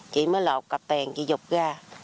chị mới lột cặp tiền chị dục ra